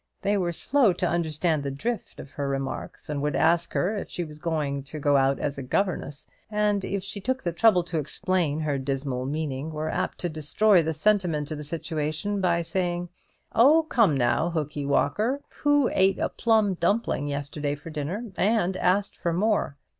They were slow to understand the drift of her remarks, and would ask her if she was going out as a governess; and, if she took the trouble to explain her dismal meaning, were apt to destroy the sentiment of the situation by saying, "Oh, come now, Hookee Walker. Who ate a plum dumpling yesterday for dinner, and asked for more?